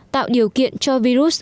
tạo điều kiện cho virus